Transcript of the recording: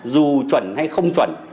dù chuẩn hay không chuẩn